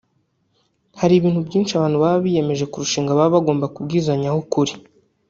Hari ibintu byinshi abantu baba biyemeje kurushinga baba bagomba kubwizanyaho ukuri